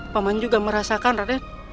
paman juga merasakan raden